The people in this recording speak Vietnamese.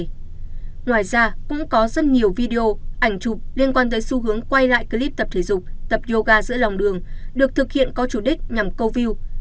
ngoài ra cũng có rất nhiều video ảnh chụp liên quan tới xu hướng quay lại clip tập thể dục tập yoga giữa lòng đường được thực hiện có chủ đích nhằm câu view